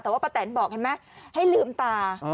แต่ว่าป้าแตนบอกเห็นไหมให้ลืมตา